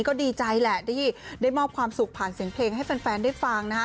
ก็ดีใจแหละที่ได้มอบความสุขผ่านเสียงเพลงให้แฟนได้ฟังนะคะ